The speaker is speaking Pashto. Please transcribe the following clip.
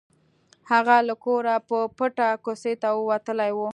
هغه له کوره په پټه کوڅې ته وتلی و